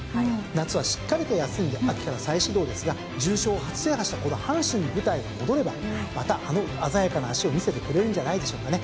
夏はしっかりと休んで秋から再始動ですが重賞初制覇したこの阪神に舞台が戻ればまたあの鮮やかな脚を見せてくれるんじゃないでしょうかね。